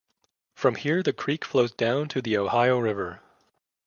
From here the creek flows down to the Ohio River.